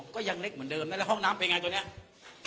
ก็ยังเล็กเหมือนเดิมนะแล้วห้องน้ำเป็นไงตัวนี้